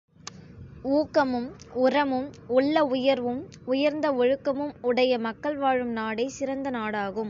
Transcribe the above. ஊக்கமும், உரமும், உள்ள உயர்வும், உயர்ந்த ஒழுக்கமும் உடைய மக்கள் வாழும் நாடே சிறந்த நாடாகும்.